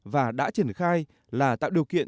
và đã triển khai là tạo điều kiện